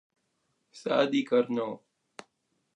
Sadi Carnot